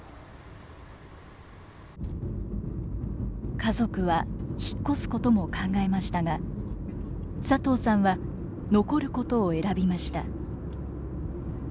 家族は引っ越すことも考えましたが佐藤さんは残ることを選びました。